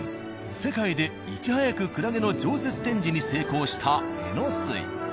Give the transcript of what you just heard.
世界でいち早くクラゲの常設展示に成功したえのすい。